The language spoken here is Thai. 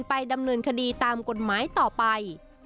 ไปดำเนินคดีกฎไม้ต่อไป